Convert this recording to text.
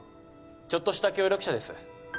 ちょっとした協力者です。